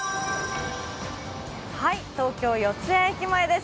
東京・四ツ谷駅前です。